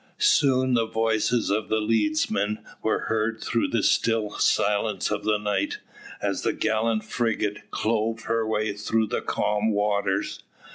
Soon the voices of the leadsmen were heard through the still silence of night, as the gallant frigate clove her way through the calm waters.